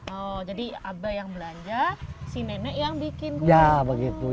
oh jadi aba yang belanja si nenek yang bikin